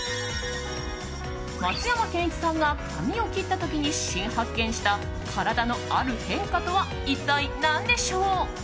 松山ケンイチさんが髪を切った時に新発見した体のある変化とは一体何でしょう？